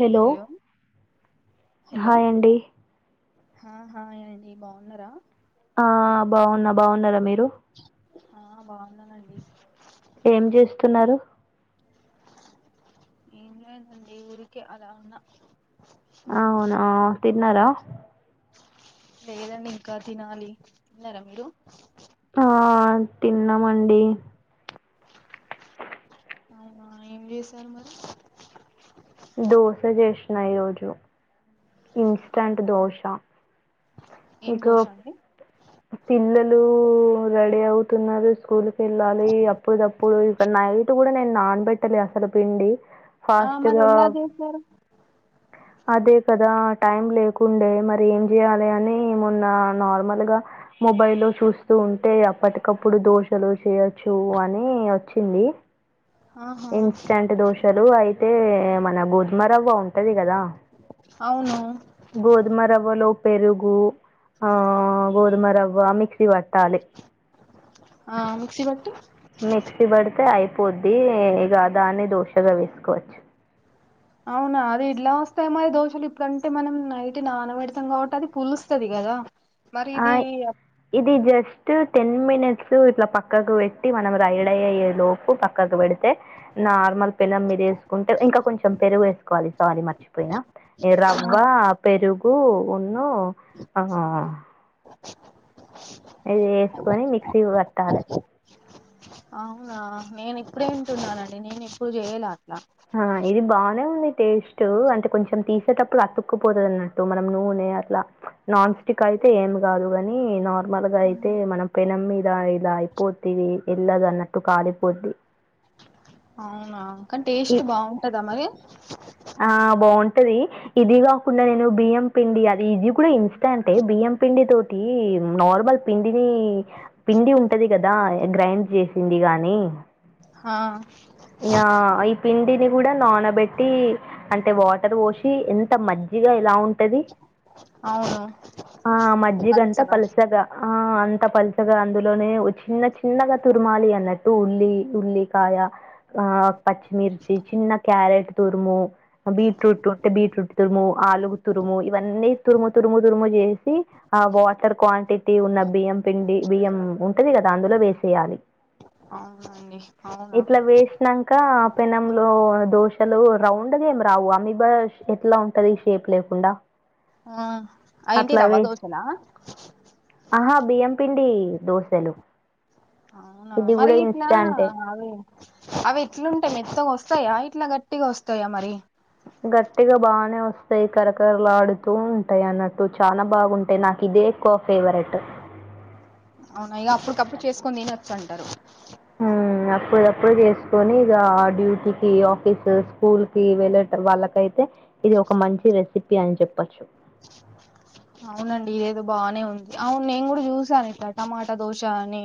Hello hi అండి హలోహానండి బాగున్నారా ఆ బాగున్న బాగున్నారా మీరు ఆ బాగున్నానండి ఏం చేస్తున్నారు ఏంలే అండి ఊరికే అల ఉన్న అవున తిన్నారా లేదండి ఇంకా తినాలి తిన్నారా మీరు ఆ తిన్నామండి అవునా ఏం చేశారు మరి దోశ చేస్తున ఈ రోజు ఇన్స్టంట్ అవునా దోశ ఏం మీకు దోశ అండి పిల్లలు రెడీ అవుతున్నారు స్కూల్ కి వెళ్ళాలి అప్పుడప్పుడు ఇ నైట్ కూడా నేను నానబెట్టలే అసలు పిండి ఆ ఫాస్ట్ మరి గా ఎలా చేస్తారు అదే కదా టైం లేకుండే మరి ఏం చేయాలి అని మొన్న నార్మల్ గా మొబైల్ లో చూస్తూ ఉంటే అప్పటికప్పుడు దోషలు చేయ చు అని వచ్చింది ఆహా ఇన్స్టంట్ దోశలు అయితే మన గోధుమరవ్వ ఉంటది కదా అవును గోధుమ రవ్వలో పెరుగు ఆ గోధుమ రవ్వ మిక్సీ పట్టాలి ఆ మిక్సీ బట్టి మిక్సీ పడితే అయిపోద్ది ఇక దాన్ని దోశగా వేసుకోవచ్చు అవునా అది ఇట్లా వస్తాయి మరి దోషలు ఇప్పుడంటే మనం నైట్ నానబెడతాం కాబట్టి అది పులుస్తుంది కదా మరి ఆ ఇది యా ఇది జస్ట్ టెన్ మినిట్స్ ఇట్లా పక్కకు పెట్టి మనం రైడయ్యే లోపు పక్క పక్క పెడితే నార్మల్ పిల్లం మీద వేసుకుంటే ఇంకా కొంచెం పెరుగు వేసుకోవాలి సారీ మర్చిపోయినా ఎ రవ్వ పెరుగు ఉనో ఆహా [inaudible] అది వేసుకొని మిక్సీ పెట్టాల అవునా నేను ఇప్పుడే ఇంటున్నానండి నేను ఎప్పుడు చేయలే అట్లా ఆ ఇది బాగానే ఉంది టేస్ట్ అంటే కొంచెం తీసేటప్పుడు అతు అతుక్కుపోతున్నట్టు మనం నూనె అట్లా నాన్ స్టిక్ అయితే ఏమి కాదు గని మల్లగా అయితే మనం పెనం మీద ఇలా అయిపోతువి ఎల్ళదు అన్నట్టు కాలిపోద్ది అవునా కానీ ఇ టేస్ట్ బాగుంటదా మరి ఆ బావుంటాది ఇది కాకుండా నేను బియ్యం పిండి అది ఇది కూడా ఇన్స్టెంట్ అంటే బియ్యం పిండి తోటి నార్మల్ పిండిది పిండి ఉంటది కదా గ్రైండ్ చేసింది గానీ ఆ ఈయా పిండిని కూడా నానబెట్టి అంటే వాటర్ పోసి ఎంత మజ్జిగా ఇలా ఉ పది అవును ఆ మజ్జిగంతా పల్చగా పలసగా ఆ అంత పల్చగా అందులోనే చిన్న చిన్నగా తుర్మాలి అన్నట్టు ఉల్లి ఉల్లి కాయ ఆ పచ్చిమిర్చి చిన్న క్యారెట్ తురుము బీట్రూట్ ఉంటే బీట్రూట్ తురుము ఆలుగు తురుము ఇవన్నీ తురుము తురుము తురుము చేసి ఆ వాటర్ క్వాంటిటీ ఉన్న బియ్యం పిండి బియ్యం ఉంటది గదా అందులో వేసేయాలి అవునండి అవునా ఐనంక పెనములో దోశలు రౌండ్ అదేమి రావు అ మీబా ఎట్లా ఉంటది షేప్ లేకుండా ఆ అయింటి రవ్వ దోసల ఆహా బియ్యం పిండి దోశలు అవునా మరి గిటనా ఇన్స్టాంటే అవి అవి ఎట్లుంటయి మెత్తగా వస్తయా ఇట్లా గట్టిగా వస్తయా మరి? గట్టిగ బానే వస్తయి కరకరలాడుతూ ఉంటయి అన్నట్టు, చాలా బాగుంటయి నాకు ఇదే ఎక్కో ఫేవరెట్ అవునా ఇగ అప్పుటికప్పుడు చేసుకుని తినచ్చూ అంటరు ఉమ్ అప్పుడుదప్పుడు చేసుకొని ఇగ డ్యూటీకి, ఆఫీస్, స్కూల్ కీ వెళ్ళే వాళ్ళకయితే ఇది ఒక మంచి రెసిప్పీ అని చెప్పచ్చు. అవునండి ఇదేదో బానే ఉంది, అవును నేను గుడ చూసాను ఇట్ల టమాటా దోశ అని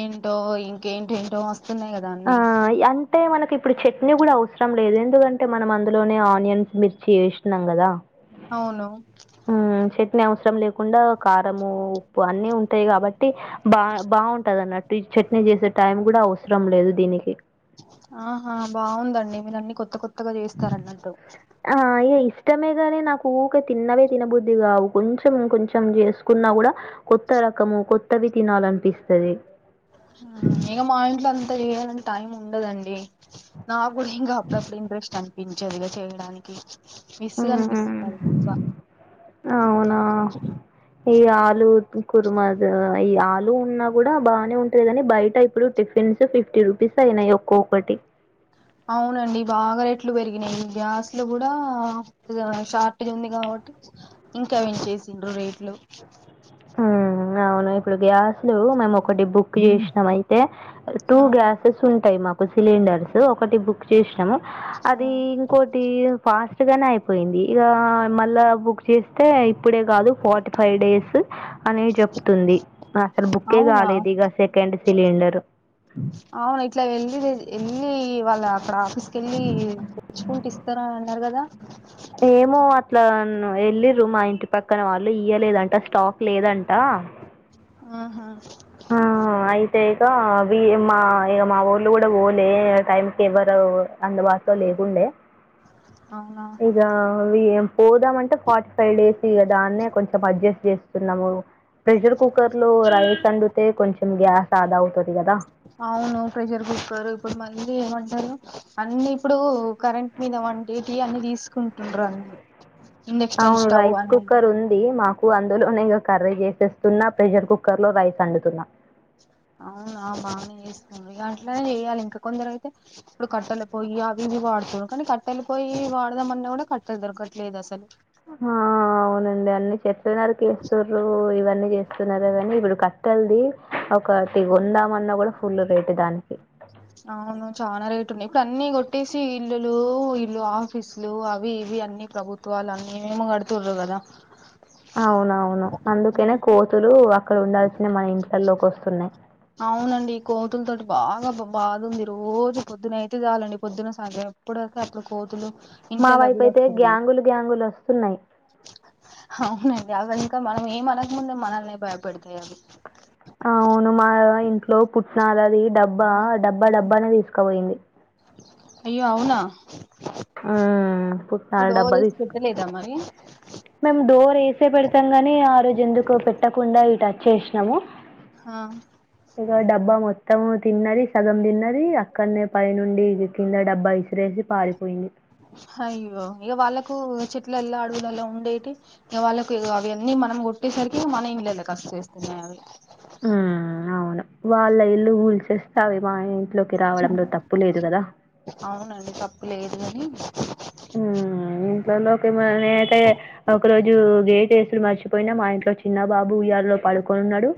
ఏంటో ఇంకేంటేంటో వస్తున్నాయి గద ఆ యన్ అంటే మనకి ఇప్పుడు చట్నీ గుడ అవసరం లేదు, ఎందుకంటే మనం అందులోనే ఆనియన్స్, మిర్చి ఏసినం గదా అవును ఉమ్ చట్నీ అవసరం లేకుండా కారము, ఉప్పు అన్నీ ఉంటయి కాబట్టి బా బాగుంటది అన్నట్టు ఈ చట్నీ చేసే టైం గుడ అవసరం లేదు దీనికి. ఆహా బాగుందండి మీరన్ని కొత్త కొత్తగా చేస్తారన్నట్టు. ఆ ఇగ ఇష్టమేగనీ నాకు ఊక తిన్నవే తినబుద్ధి కాదు కొంచం ఇంకొంచం చేసుకో కున్నా గుడ కొత్త రకము కొత్తవి తినాలనిపిస్తది. ఇగ మా ఇంట్లో అంత చేయాలంటే టైం ఉండదండి. నా గుడ ఇంగా అప్పుడప్పుడు ఇంట్రెస్ట్ అనిపించదు ఇగా చేయడానికి విస్గ్ హ్మ్. హ్మ్. అనిపిస్తది బా అవునా! ఈ ఆలు కుర్మా ద ఈ ఆలు ఉన్నా గుడ బానే ఉంటదికని బయట ఇప్పుడు టిఫ్ తెల్సా ఫిఫ్టీ రుపీస్ అయినయి ఒక్కొక్కటి అవునండి బాగా రెట్లు పెరిగినయి ఈ గ్యాస్లు గుడ ఇగ షార్టేజ్ ఉంది కాబట్టి ఇంకా పెంచేసిండ్రు రేట్లు. ఉమ్ అవును ఇప్పుడు గ్యాస్లు మేము ఒకటి బుక్ చేసినం అయితే టూ ఆ గ్యాస్ స్ ఉంటయి మాకు సిలిండర్స్, ఒకటి బుక్ చేసినము ఆ అది ఇంకో టి ఈ ఫాస్ట్ గనే అయిపోయింది, ఇగ మళ్ళా బుక్ చేస్తే ఇప్పుడే కాదు ఫార్టీ ఫైవ్ డే అనే చెప్తుంది అసలు బుక్కే అవునా కాలేదు ఇగ సెకండ్ సిలిండర్ అవును ఇట్ల వెళ్లి ఎళ్ళి వాళ్ళ అక్కడ ఆఫీస్ కెళ్ళి తెచ్చుకుంటె ఇస్ ఇస్త అన్నరు కదా ఏమో అట్ల ఎల్లిర్రు మా ఇంటి పక్కన వాళ్ళు ఇయలేదంట స్టాక్ లేదంట ఆహా ఆ అయితే ఇగ అవి మా ఇగ మా వోళ్ళు గుడ వోలే టైం కి ఎవరు అందుబాటులో లేకుండే, అవునా ఇగ వి పోదామంటే ఫార్టీ డేసి కదా ఆన్నే కొంచం అడ్జస్ట్ చేస్తున్నము ప్రెషర్ కుక్కర్ లో రైస్ అండు కొంచం గ్యాస్ అదా అవుతది గదా అవును ప్రెషర్ కుక్కర్ ఇప్పుడు మళ్ళీ ఏమంటరు అన్ని ఇప్పుడు కరెంట్ మీద వంటే టీ అన్ని తీసుకుంటుండ్రు అన్ని ఇండక్షన్ అవును స్టవ్ రైస్ అని కుక్కర్ ఉంది మాకు వు అందులోనే ఇగ కర్రీ చేసేస్తున్నా, ప్రెషర్ కుక్కర్ లో రైస్ అండుతున్న. అవునా బానే చేస్తుండ్రు, ఇగ అట్లనే చేయాలే ఇంక కొందరు అయితే ఇప్పుడు కట్టెల పోయి అవి ఇవి వాడుతున్నరూ, కనీ కట్టెల పొయ్యి వాడదమన్నా గుడ కట్టేలు దొరకట్లేదు అసలు. ఆ అవునండి అన్ని చెట్లు నరికేస్తురు, ఇవన్నీ చేస్తున్నరు గని ఇప్పుడు కట్ టెల్ది ఒకటి గొందామన్నా కూడా ఫుల్లు రేట్ దానికి అవును చాలా రేట్ ఉన్నయి, ఇప్పుడు అన్ని కొట్టేసి ఇల్లులు, ఇల్లు ఆఫీసులు అవి ఇవి అన్ని ప్రభుత్వాలు అన్నీ ఏమేమో కడుతుర్రు కదా. అవునవును అందుకనే కోతులు అక్కడ ఉండాల్సిన మన ఇంట్లల్లోకి వస్తున్నాయి. అవునండి కోతుల తోటి బాగా బా బాదుంది రోజు పొద్దున అయితే చాలండి పొద్దున సాయంత్రం. ఇప్పుడ్దాకా అప్పుడు కోతులు. మా ఇంట్లలా వైపు కూడా అయితే వస్తున్నాయి గ్యాంగులు గ్యాంగులు వస్తున్నాయి. అవునండి అవి ఇంకా మనం ఏ మనక ముందే మనల్నే భయపెడుతున్నాయి అవి. అవును మా ఇంట్లో పుట్టినాలది డబ్బా డబ్బా డబ్బానే తీసుకపోయింది. అయ్యో అవునా. ఆ పో. డోర్ ఏసీ పెట్టలేద మరి. మేము డోర్ వేసే పెడతాం గాని ఆ రోజు ఎందుకో పెట్టకుండా ఇటు అచ్చేశ్నము. హా. ఇక డబ్బా మొత్తం తిన్నది సగం తిన్నది అక్కడనే పై నుండి కింద డబ్బా ఇసిరేసి. పారీపోయింది. హాయ్యో ఇగ వాళ్ళకు చెట్లల్ల అడవులల్ల ఉండేటి. ఇగ వాళ్ళకు ఇగో అవి అన్నీ మనం కొట్టేసరికి మన ఇండ్లల్లకు వచ్చేస్తున్నాయి అవి. ఉ అవును వాళ్ళ ఇల్లు కూల్చేస్తే మా ఇంట్లో. రావడంలో తప్పు లేదు కదా. అవునండి తప్పు లేదు గనీ. ఉమ్ ఇంట్లలోకి నేనైతే ఒక రోజు గేటేసుడు మర్చిపోయినా మా ఇంట్లో వచ్చి. చిన్నబాబు ఉయ్యాలో పడుకొనున్నాడు.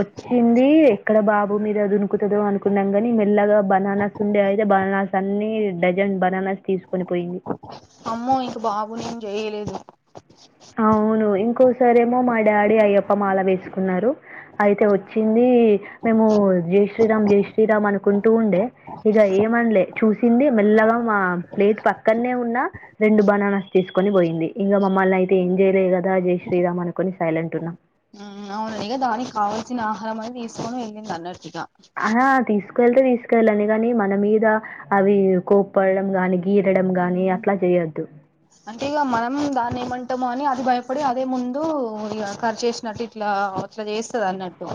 వచ్చింది ఎక్కడ బాబు మీద దునుకుతదో అనుకున్నాం కాని మెల్లగా బనానా. ఉండే అయితే బనానాస్ అన్ని డజన్ బనానాస్ తీసుకొని పోయింది. అమ్మో ఇంక బాబునెమ్ ఏం చేయలేదు. అవును ఇంకోసారేమో మా డాడీ అయ్యప్ప మాల వేసుకున్నారు. అయితే వచ్చింది మేము జై శ్రీరామ్ జై శ్రీరామ్ అనుకుంటూ ఉండే. ఇగ ఏమనలే చూసింది మెల్లగా మా ప్లేట్ పక్కన్నె ఉన్నా. రెండు బనానాస్ తీసుకొని పోయింది ఇంగా మమ్మల్ని అయితే. తే ఏం చేయలేదు కదా జై శ్రీరామ్ అనుకోని సైలెంట్గా ఉన్నాం. ఉ అవునండి దానికి కావల్సిన ఆహారం అని తీసుకొని వెళ్ళింది అన్నట్టుగా. ఆ తీసుకేళ్తే తీసుకెళ్లనీయ్ కాని మన మీద అవి కోప్పడడం గాని. గీరడం గాని అట్లా చేయ్యొద్దు. అంటే ఇగ మనం దాన్ని ఏమంటామో అని అది భయపడి అదే ముందు ఇగా కార్చేశినట్టు ఇట్ల. అట్లా చేస్తది అన్నట్టు.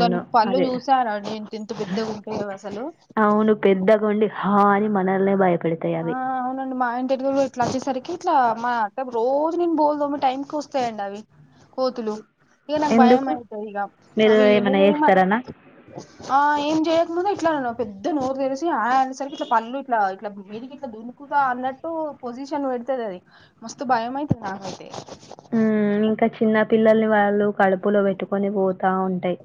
దాని పళ్ళు అదే. చూసార అండి ఇంత ఇంత పెద్దగా ఉంటాయో అసలు. అవును పెద్దగొండి హా అని మనల్నే భయపేడ. ఆ అవునండి మా ఇంటి గుడ్. ఇట్లా వచ్చేసరికి ఇట్లా మా అక్కకు రోజు నేను బోల్దోమే టైమ్కి వస్తాయండి అవి. కోతులు ఇగా నాకు భయం ఎందుకు? అయితది ఇగ మీరు అవి ఏమైనా నేనేమ. చేస్తారనా ఆ ఏం జేయకముందే ఇట్లా పెద్ద నోరు తెరిసి ఆ అనే సరికి ఇట్లా పళ్ళు ఇట్లా ఇట్లా. మీదికి ఇట్లా దునుకుతా అన్నట్టు పొజిషన్ పెడతది అది మస్తు భయం అయితది నాకైతే. ఉ ఇంకా చిన్న పిల్లల్ని వాళ్ళు కడుపులో పెట్టుకొని పోతా ఉంటాయి.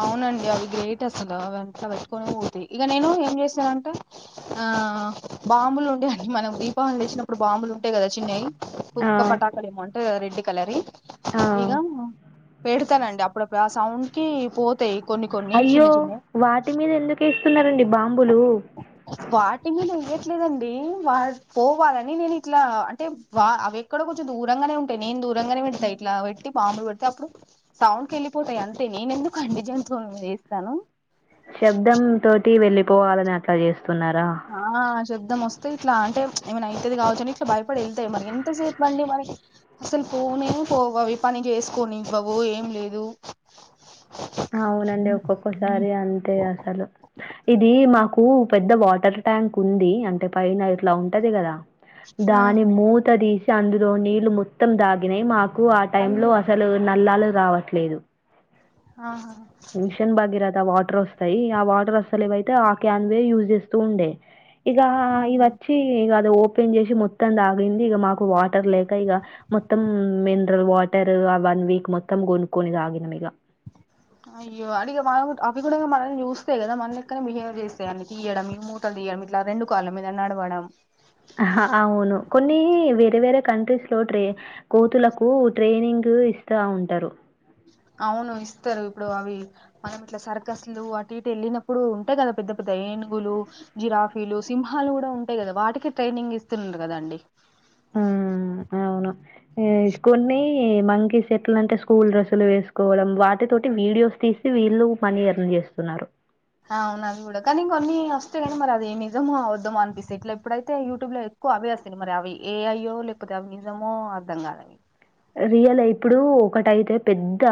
అవునండి అవి గ్రేట్ అసలు అవంత వెట్టుకొనే పోతయి ఇగ నేను ఏం చేసానంటె. ఆ బాంబులు ఉండే అండి మనం దీపావలీ చేసినప్పుడు బాంబులు ఉంటాయి కదా చిన్నయ్. ఆ ఒక్కో పటాకలు ఎమౌంట్ రెడ్ కలరి ఆ ఇగా పెడతానండి అప్పుడపుడు ఆ సౌండ్ కి పోతాయి కొన్ని కొన్ని చిన్న అయ్యో చిన్నయ్ వాటి మీద ఎందుకేస్తున్నారండి బాంబులు వాటి మీద ఎయ్యట్లేదండి వా పోవాలని నేను ఇట్లా అంటే వా అవి ఎక్కడో కొంచెం దూరంగానే ఉంటాయి నేను దూరంగానే పెడతా ఇట్లా పెట్టి బాంబులు పెడితే అప్పుడు సౌండ్కి వెళ్ళిపోతాయి అంతే నేను ఎందుకు అండి జంతువుల మీద ఎస్తాను శబ్దం తోటి వెళ్ళిపోవాలని అట్లా చేస్తున్నారా ఆ శబ్దం వస్తే ఇట్లా అంటే ఏమైన అయితేది కావచ్చు అని ఇట్లా భయపడి వెళ్తాయి మన ఎంతసేపు అండి మనకి అసలు పోనే పోవవి పని చేసుకోని ఇవ్వవు ఏం లేదు అవునండి మ్మ్ ఒక్కొక్కసారి అంతే అసలు ఇది మాకు పెద్ద వాటర్ ట్యాంక్ ఉంది అంటే పైన ఇట్లా ఉంటది కదా దాని మూత తీసి అందులో నీళ్లు మొత్తం తాగినాయి మాకు ఆ టైం లో అయ్యో అసలు నెల్లాలు రావట్లేదు ఆహా మిషన్ భగీరథ వాటర్ వస్తాయి ఆ వాటర్ వస్తలేవయితే ఆ క్యాన్వే యూజ్ చేస్తూ ఉండే ఇగ ఇది అవును. వచ్చి ఇగ అది ఓపెన్ చేసి మొత్తం తాగింది ఇక మాకు వాటర్ లేక ఇగ మొత్తం మిన్రల్ వాటర్ ఆ వన్ వీక్ మొత్తం కొనుక్కొని తాగిన ఇగ అయ్యో అందుకే మనం అవి కూడా మనం జూస్ తే కదా మళ్ళీ ఎక్కడ బిహేవ్ చేస్తాయి అన్ని తీయడం ఈ మూటలు తీయడం ఇట్లా రెండు కాళ్ళ మీద నడవడం అవును కొన్ని వేరే వేరే కంట్రీస్లో ట్రే కోతులకు ట్రైనింగ్ ఇస్తా ఉంటారు అవును ఇస్తరు ఇప్పుడు అవి మనం ఇట్లా సర్కస్లు అటు ఇటు ఎళ్ళినప్పుడు ఉంటాయి కదా పెద్ద పెద్ద ఏనుగులు జిరాఫీలు సింహాలు కూడా ఉంటాయి కదా వాటికి ట్రైనింగ్ ఇస్తున్నారు కదాండి ఆ అవును కొన్ని మంకి సెట్లు అంటే స్కూల్ డ్రెస్సులు వేసుకోవడం వాటి తోటి వీడియోస్ తీస్ వీళ్ళు మని ఎర్న్ చేస్తున్నారు అవును అది కూడా కానీ ఇంకొన్ని వస్తాయి కాని మరి అది నిజమో అబద్దామో అనిపిస్తయి ఇట్లా ఎప్పుడైతే యూట్యూబ్ లో ఎక్కువ అవే వస్తాయి మరి అవి ఏఐయ్యో లేకపోతే అవి నిజమో అర్థం కాదవి రియలే ఇప్పుడు ఒకటైతే పెద్ద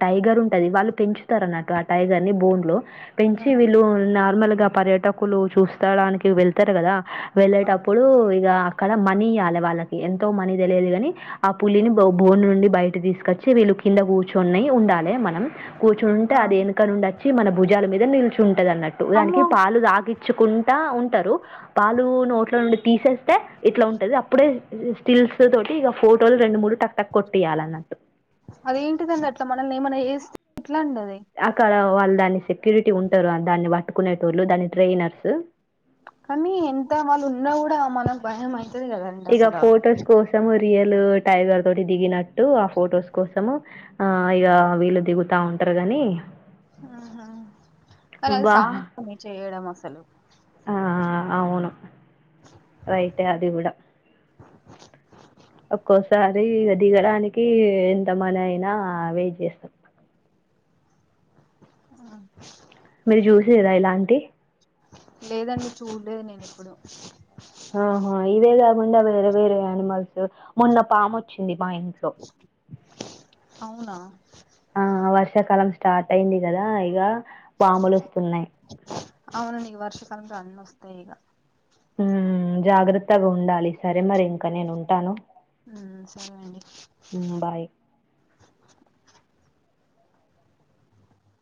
టైగర్ ఉంటది వాళ్ళు పెంచు తరన్నట్టు ఆ టైగర్ని బోన్లో పెంచి వీళ్ళు నార్మల్గా పర్యాటకులు చూస్తడానికి వెళ్తారు కదా వెళ్ళేటప్పుడు ఇగ అక్కడ మనీ ఇయ్వాలి వాళ్ళకి ఎంతో మనీ తెలియదు కాని పులిని బొ బోన్ నుండి బయట తీసుకొచ్చి వీళ్ళు కింద కూర్చున్నయ్ ఉండాలి మనం కూర్చునుంటే ఆ అది ఎనుక నుండి అచ్చి మన భుజాల మీద నిల్చు ఉంటది అన్నట్టు దానికి అమ్మో పాలు తాకి చ్చుకుంటా ఉంటారు పాలు నోట్ల నుండి తీసేస్తే ఇట్లా ఉంటది అప్పుడే స్టిల్స్ తోటి ఇగ ఫోటోలు రెండు మూడు టక్ టక్ కొట్టేయాలన్నట్టు అదేంటిదండి అట్లా మనల్ని ఏమన్నా చేస్తే ఎట్లా అండి అది అక్కడ వాళ్ళు దాన్ని సెక్యూరిటీ ఉంటారు దాన్ని పట్టుకునేటోళ్ళు దాన్ని ట్రైనర్సు కానీ ఎంత వాళ్ళు ఉన్నా కూడా మనం భయం అయితది కదండి ఇగ అసలు అవి ఫొటోస్ కోసము రియల్ టైగర్ తోటి దిగినట్టు ఆ ఫొటోస్ కోసము ఆ ఇగ వీళ్ళు దిగుతా ఉంటారు గాని ఆహా కానీ అది బా సాహసమే చేయడం అసలు ఆ అవును రైటే అది గూడ ఒక్కోసారి ఇ దిగడానికి ఎంత మన అయినా వేయిట్ చేస్తాం ఆ మీరు చూసిర్ర ఇలాంటివి లేదండి చూడలేదు నేను ఎప్పుడు ఆహా ఇవే కాకుండా వేరే వేరే యానిమల్స్ మొన్న పాము వచ్చింది మా ఇంట్లో అవునా ఆ వర్షాకాలం స్టార్ట్ అయింది కదా ఇక పాములు వస్తున్నాయ్ అవునండీ వర్ష కాలం రాంగానే వస్తాయి ఈగ ఉమ్ జాగ్రత్తగా ఉండాలి సరే మరి ఇంకా నేను ఉంటాను ఉ సరే అండి ఉమ్ బాయ్